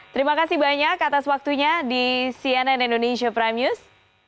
terima kasih banyak atas waktunya di cnn indonesia prime news